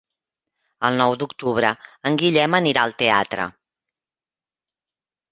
El nou d'octubre en Guillem anirà al teatre.